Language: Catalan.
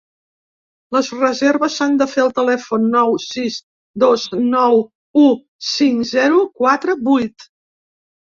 Les reserves s’han de fer al telèfon nou sis dos nou u cinc zero quatre vuit.